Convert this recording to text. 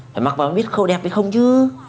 phải mặc vào biết khâu đẹp hay không chứ